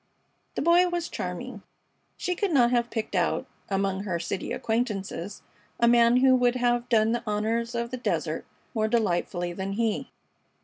The Boy was charming. She could not have picked out among her city acquaintances a man who would have done the honors of the desert more delightfully than he.